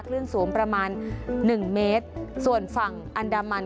คลื่นสูงประมาณหนึ่งเมตรส่วนฝั่งอันดามัน